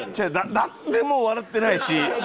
誰も笑ってないし。